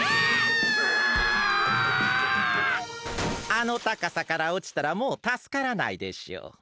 あのたかさからおちたらもうたすからないでしょう。